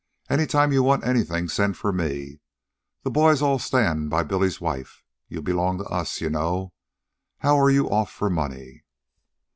Any time you want anything send for me. The boys'll all stand by Bill's wife. You belong to us, you know. How are you off for money?"